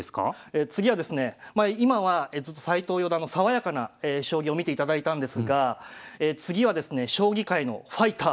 次はですねまあ今は斎藤四段の爽やかな将棋を見ていただいたんですが次はですね将棋界のファイター。